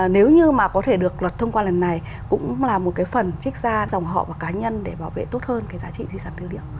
nếu như mà có thể được luật thông qua lần này cũng là một cái phần trích ra dòng họ và cá nhân để bảo vệ tốt hơn cái giá trị di sản tư liệu